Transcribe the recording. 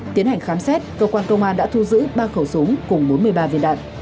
tiến hành khám xét cơ quan công an đã thu giữ ba khẩu súng cùng bốn mươi ba viên đạn